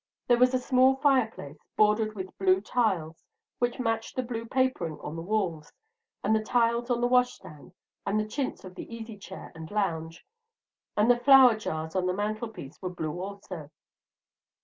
There was a small fireplace bordered with blue tiles which matched the blue papering on the walls; and the tiles on the washstand, and the chintz of the easy chair and lounge, and the flower jars on the mantelpiece were blue also.